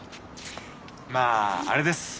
まああれです。